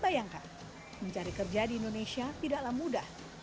bayangkan mencari kerja di indonesia tidaklah mudah